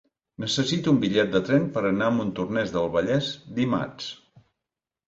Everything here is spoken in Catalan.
Necessito un bitllet de tren per anar a Montornès del Vallès dimarts.